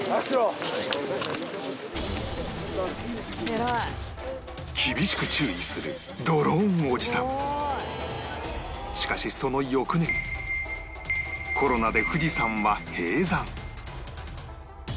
「偉い」厳しく注意するしかしその翌年コロナで富士山は閉山